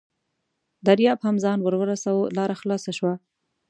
دریاب هم ځان راورساوه، لاره خلاصه شوه.